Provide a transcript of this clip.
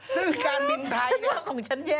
ซึ่งการบินไทยเนี่ย